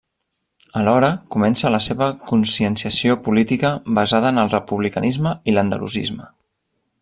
Alhora comença la seva conscienciació política basada en el republicanisme i l'andalusisme.